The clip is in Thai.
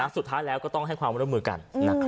สุดท้ายแล้วก็ต้องให้ความร่วมมือกัน